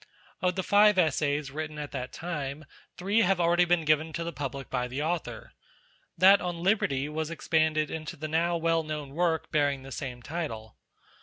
Of the five Essays written at. that time, three have already been given to the public by the Author. That on Liberty was ex panded into the now well known work bearing the same title.